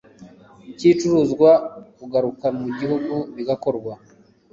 cy icuruzwa kugaruka mu gihugu bigakorwa